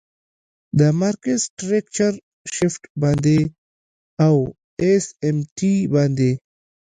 د مارکیټ سټرکچر شفټ باندی او آس آم ټی باندی.